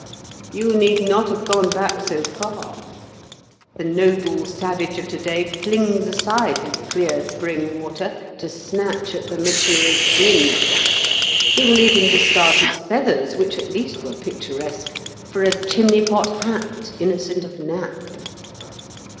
You need not have gone back so far. The noble savage of today flings aside his clear spring water to snatch at the missionary's gin. He will even discard his feathers, which at least were picturesque, for a chimney pot hat innocent of nap.